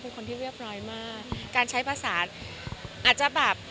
เป็นคนที่เรียบร้อยมากการใช้ภาษาอาจจะแบบ